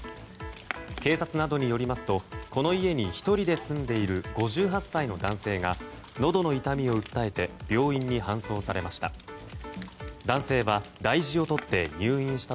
警察などによりますとこの家に１人で住んでいる５８歳の男性がのどの痛みを訴えて病院に搬送されました。